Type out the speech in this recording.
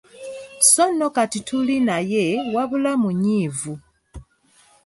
So na kati tuli naye wabula munyiivu.